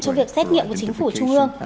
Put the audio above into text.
cho việc xét nghiệm của chính phủ trung ương